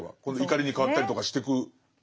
怒りに変わったりとかしてく。